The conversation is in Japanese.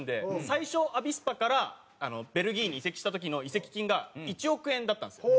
最初アビスパからベルギーに移籍した時の移籍金が１億円だったんですよ。